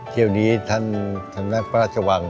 เที่ยวนี้ท่านจำนักพระราชวัง